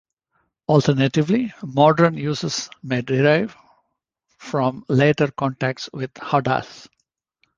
Alternatively, modern uses may derive from later contacts with howdahs.